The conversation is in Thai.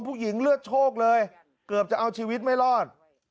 ผู้หญิงเลือดโชคเลยเกือบจะเอาชีวิตไม่รอด